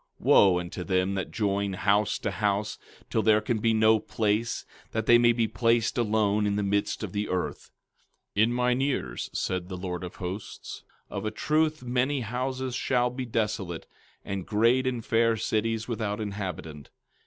15:8 Wo unto them that join house to house, till there can be no place, that they may be placed alone in the midst of the earth! 15:9 In mine ears, said the Lord of Hosts, of a truth many houses shall be desolate, and great and fair cities without inhabitant.